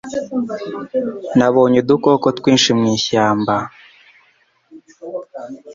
Nabonye udukoko twinshi mu ishyamba